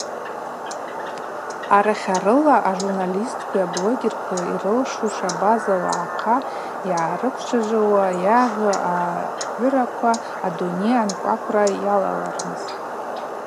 Арахьарыла, ажурналисткви аблогеркви йрылшуштӏ абаза уагӏахъа йгӏарыквчважвауа йагъьу агӏвыраквала а-Дуней анкъвакъвра йалалырныс.